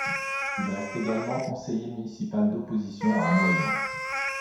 Il reste également conseiller municipal d'opposition à Noyon.